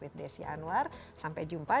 with desi anwar sampai jumpa